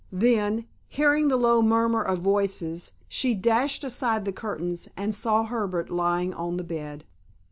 Then, hearing the low murmur of voices, she dashed aside the curtains, and saw Herbert lying on the bed.